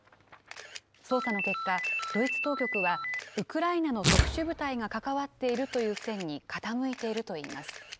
捜査の結果、ドイツ当局は、ウクライナの特殊部隊が関わっているという線に傾いているといいます。